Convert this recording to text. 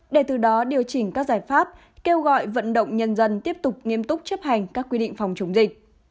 để từ đó điều chỉnh các giải pháp kêu gọi vận động nhân dân tiếp tục nghiêm túc chấp hành các quy định phòng chống dịch